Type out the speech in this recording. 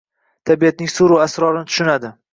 Tabiatning siru asrorini tushunadi.